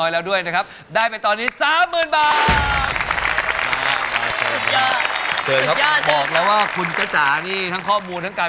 แล้วเราทำตัวเองว่าหยุดหรือเล่น